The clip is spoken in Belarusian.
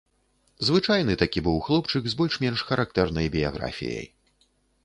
Звычайны такі быў хлопчык з больш-менш характэрнай біяграфіяй.